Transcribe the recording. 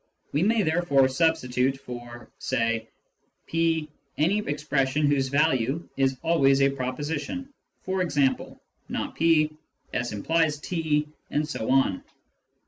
We may therefore substitute for (say) p any expression whose value is always a proposition, e.g. not p, " s implies t," and so on.